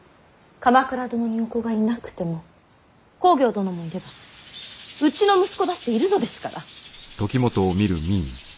鎌倉殿にお子がいなくても公暁殿もいればうちの息子だっているのですから。